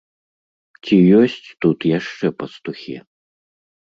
Ці ёсць тут яшчэ пастухі?